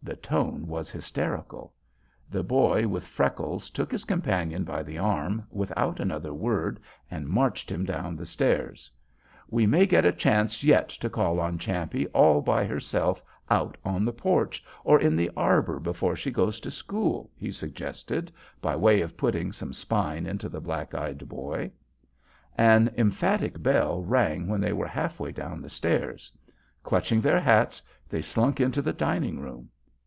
The tone was hysterical. The boy with freckles took his companion by the arm without another word and marched him down the stairs. "We may get a chance yet to call on Champe all by herself out on the porch or in the arbor before she goes to school," he suggested, by way of putting some spine into the black eyed boy. An emphatic bell rang when they were half way down the stairs. Clutching their hats, they slunk into the dining room.